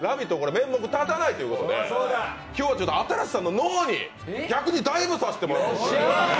面目立たないということで、今日は新子さんの脳に逆にダイブさせてもらおうと。